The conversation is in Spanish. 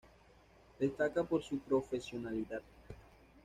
Destaca por su profesionalidad.